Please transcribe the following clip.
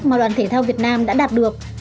mà đoàn thể thao việt nam đã đạt được